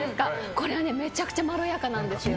これはめちゃくちゃまろやかなんです。